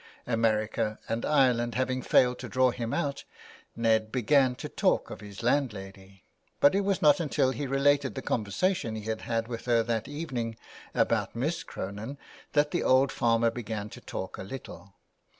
America and Ireland having failed to draw him out, Ned began to talk of his landlady. But it was not until he related the conversation he had had with her that evening about Miss Cronin that the old farmer began to talk a little.